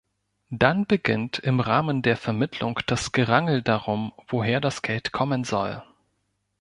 Dann beginnt im Rahmen der Vermittlung das Gerangel darum, woher das Geld kommen soll.